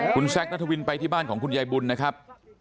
คุณแซคนัทวินไปที่บ้านของคุณยายบุญนะครับ